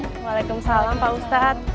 waalaikumsalam pak ustadz